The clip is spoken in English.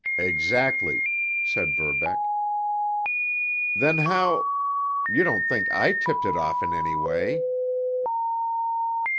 "Exactly!" said Verbeck. "Then how—— You don't think I tipped it off in any way?"